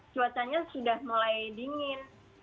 cuacanya sudah mulai dingin